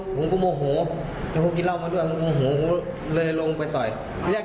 ผมยูเทลกลับนะยูเทลกลับมานะแล้วผมกำลังเล่นเขา